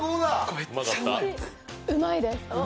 うまいです！